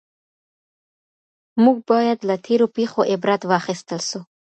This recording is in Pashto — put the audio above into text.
موږ باید له تېرو پېښو عبرت واخیستل سو.